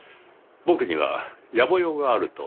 僕には野暮用があると。